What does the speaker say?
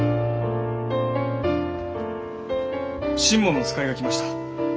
新門の使いが来ました。